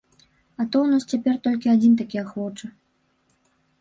А то ў нас цяпер толькі адзін такі ахвочы.